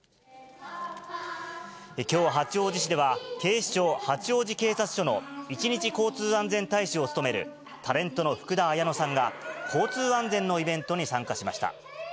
きょう、八王子市では、警視庁八王子警察署の一日交通安全大使を務めるタレントの福田彩乃さんが、交通安全のイベントに参加しました。